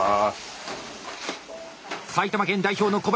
埼玉県代表の小林。